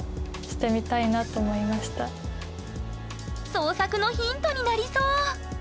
創作のヒントになりそう！